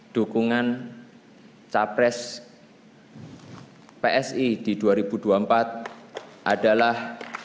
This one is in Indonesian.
dukungan capres psi di dua ribu dua puluh empat adalah